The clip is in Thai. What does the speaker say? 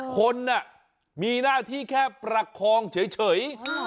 คนมีหน้าที่แค่ประคองเฉย